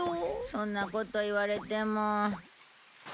そんなこと言われても。